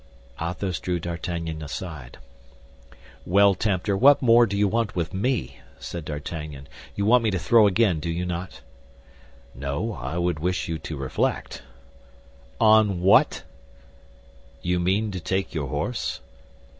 Athos drew D'Artagnan aside. "Well, Tempter, what more do you want with me?" said D'Artagnan. "You want me to throw again, do you not?" "No, I would wish you to reflect." "On what?" "You mean to take your horse?"